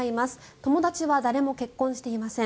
友達は誰も結婚していません。